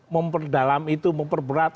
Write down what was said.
memperdalam itu memperberat